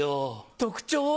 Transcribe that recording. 特徴は？